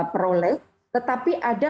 peroleh tetapi ada